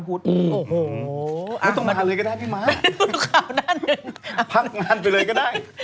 พักงานไปเลยก็ได้